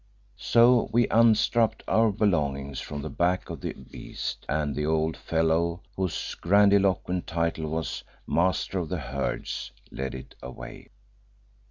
So we unstrapped our belongings from the back of the beast, and the old fellow whose grandiloquent title was "Master of the Herds," led it away.